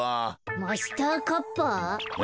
マスターカッパー？うむ。